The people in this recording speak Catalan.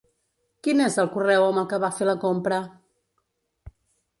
Quin és el correu amb el que va fer la compra?